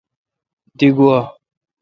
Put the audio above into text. دی گوا۔